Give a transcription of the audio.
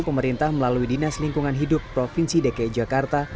pemerintah melalui dinas lingkungan hidup provinsi dki jakarta